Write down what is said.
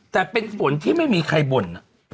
แต่เป็นฝนที่ไม่มีใครบ่น